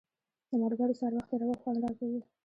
د ملګرو سره وخت تېرول خوند راکوي.